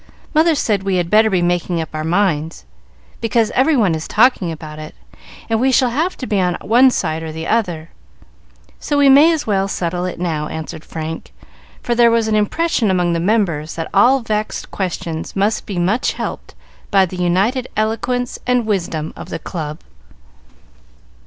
Mother said we had better be making up our minds, because every one is talking about it, and we shall have to be on one side or the other, so we may as well settle it now," answered Frank, for there was an impression among the members that all vexed questions would be much helped by the united eloquence and wisdom of the club.